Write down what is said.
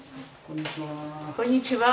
こんにちは。